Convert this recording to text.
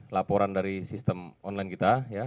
laporan dari sistem online kita